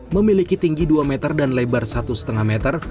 memiliki tinggi dua meter dan lebar satu lima meter